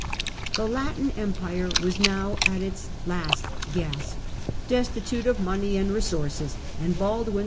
The Latin Empire was now at its last 12^9 1228 gasp, destitute of money and resources, and Baldwin n.